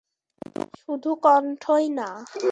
শুধু কন্ঠই না।